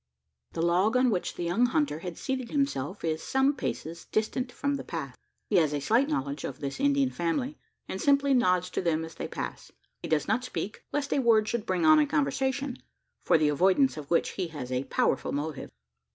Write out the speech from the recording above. The log on which the young hunter had seated himself is some paces distant from the path. He has a slight knowledge of this Indian family, and simply nods to them as they pass. He does not speak, lest a word should bring on a conversation for the avoidance of which he has a powerful motive.